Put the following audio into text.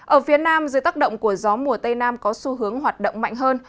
ở phía nam dưới tác động của gió mùa tây nam có xu hướng hoạt động mạnh hơn